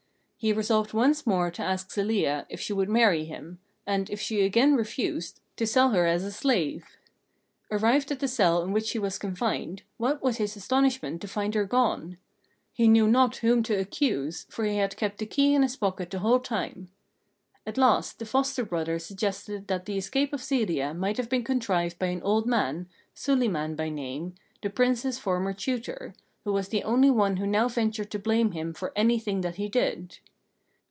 He resolved once more to ask Zelia if she would marry him, and, if she again refused, to sell her as a slave. Arrived at the cell in which she was confined, what was his astonishment to find her gone! He knew not whom to accuse, for he had kept the key in his pocket the whole time. At last, the foster brother suggested that the escape of Zelia might have been contrived by an old man, Suliman by name, the Prince's former tutor, who was the only one who now ventured to blame him for anything that he did.